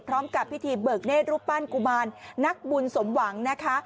พร้อมกับพิธีเบิกเนธรูปปั้นกุมารนักบุญสมหวังนะคะ